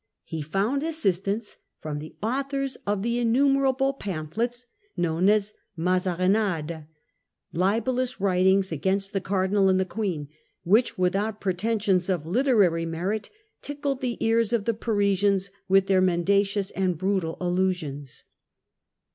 He found assistance from the authors of the innumerable pamphlets known as ' Mazarinades,' libellous The * Ma writings against the Cardinal and the Queen, zarinadcs ' which, without pretensions to literary merit, tickled the ears of the Parisians with their mendacious and brutal allusions.